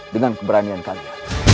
dengan keberanian kalian